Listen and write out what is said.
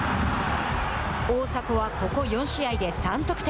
大迫はここ４試合で３得点。